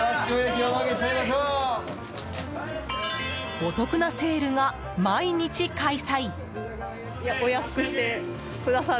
お得なセールが毎日開催。